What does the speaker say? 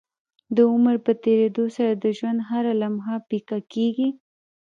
د عمر په تيريدو سره د ژوند هره لمحه پيکه کيږي